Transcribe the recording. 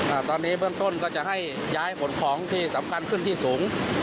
อ่าตอนนี้เบื้องต้นก็จะให้ย้ายขนของที่สำคัญขึ้นที่สูง